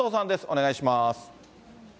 お願いします。